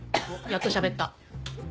やっとしゃべった。